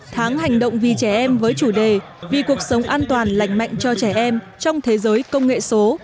tháng hành động vì trẻ em với chủ đề vì cuộc sống an toàn lành mạnh cho trẻ em trong thế giới công nghệ số